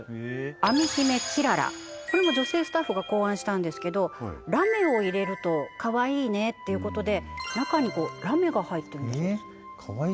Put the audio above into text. アミ姫キララこれも女性スタッフが考案したんですけどラメを入れるとかわいいねっていうことで中にラメが入っているんだそうです